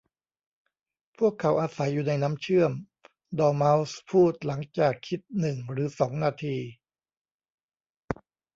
'พวกเขาอาศัยอยู่ในน้ำเชื่อม' ดอร์เม้าส์พูดหลังจากคิดหนึ่งหรือสองนาที